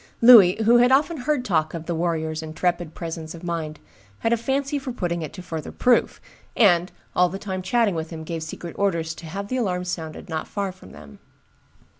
Louis, who had often heard talk of the warrior's intrepid presence of mind, had a fancy for putting it to further proof, and, all the time chatting with him, gave secret orders to have the alarm sounded not far from them.